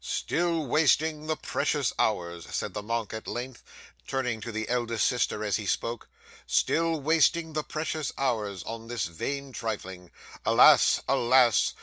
'"Still wasting the precious hours," said the monk at length, turning to the eldest sister as he spoke, "still wasting the precious hours on this vain trifling. Alas, alas!